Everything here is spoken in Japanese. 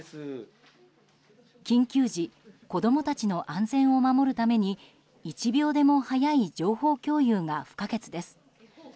緊急時子供たちの安全を守るために１秒でも早い情報共有が不可欠です。